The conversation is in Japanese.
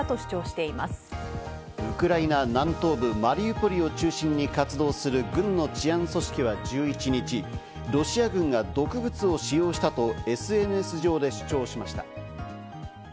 ウクライナ南東部マリウポリを中心に活動する軍の治安組織は１１日、ロシア軍が毒物を使用したとＳＮＳ上で主張しました。